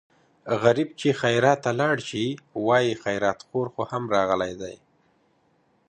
غریب چې خیرات ته لاړ شي وايي خیراتخور خو هم راغلی دی.